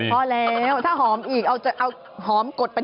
หมอกิตติวัตรว่ายังไงบ้างมาเป็นผู้ทานที่นี่แล้วอยากรู้สึกยังไงบ้าง